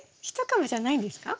１株じゃないんですか？